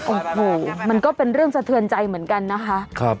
โอ้โหมันก็เป็นเรื่องสะเทือนใจเหมือนกันนะคะ